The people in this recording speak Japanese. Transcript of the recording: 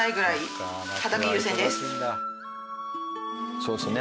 そうですよね。